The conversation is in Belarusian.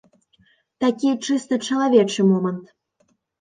Такі чыста чалавечы момант.